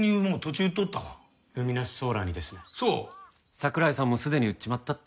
櫻井さんもすでに売っちまったって。